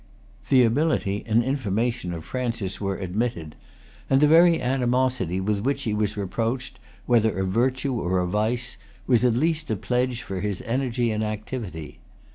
The ability and information of Francis were admitted; and the very animosity with which he was reproached, whether a virtue or a vice, was at least a pledge for his energy and activity.